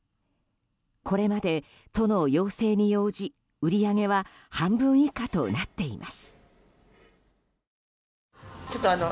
これまで、都の要請に応じ売り上げは半分以下となっています。